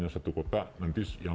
lalu jerat pun dipasang